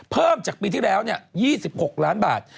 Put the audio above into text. เพิ่มจากปีที่แล้ว๒๖ล้านบาท